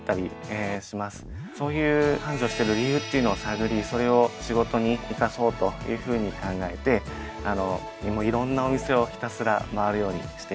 そういう繁盛してる理由っていうのを探りそれを仕事に生かそうというふうに考えていろんなお店をひたすら回るようにしています。